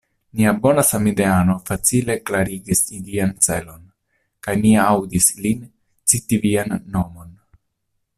Nia bona samideano facile klarigis ilian celon; kaj mi aŭdis lin citi vian nomon.